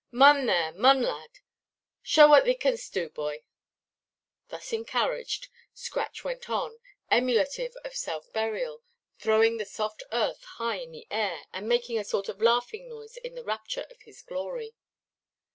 "Mun there, mun, lad; show whutt thee carnst do, boy." Thus encouraged, Scratch went on, emulative of self–burial, throwing the soft earth high in the air, and making a sort of laughing noise in the rapture of his glory.